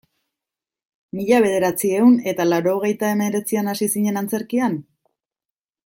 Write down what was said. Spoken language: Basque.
Mila bederatziehun eta laurogeita hemeretzian hasi zinen antzerkian?